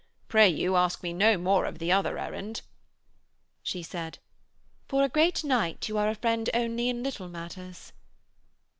Pray you ask me no more of the other errand.' She said: 'For a great knight you are a friend only in little matters!'